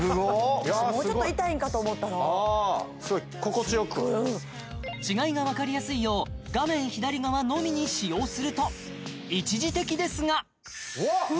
もうちょっと痛いんかと思ったのすごい心地よくうん違いが分かりやすいよう画面左側のみに使用すると一時的ですがうわっ！